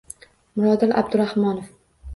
Murodil Abdurahmonov